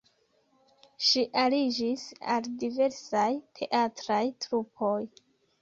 Ŝi aliĝis al diversaj teatraj trupoj.